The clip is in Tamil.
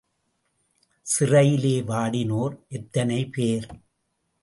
சிறையிலே வாடினோர் எத்தனைபேர்!